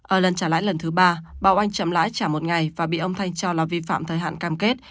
ở lần trả lãi lần thứ ba bảo oanh chậm lãi trả một ngày và bị ông thanh cho là vi phạm thời hạn cam kết